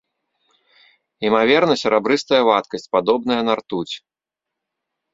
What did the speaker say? Імаверна, серабрыстая вадкасць, падобная на ртуць.